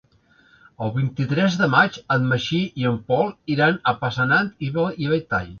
El vint-i-tres de maig en Magí i en Pol iran a Passanant i Belltall.